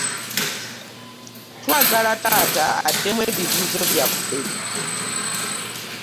Twagala taata addemu ebibuuzo byaffe.